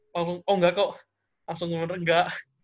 langsung oh enggak kok langsung bener bener enggak